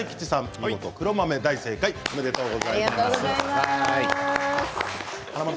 見事、黒豆大正解、おめでとうございます。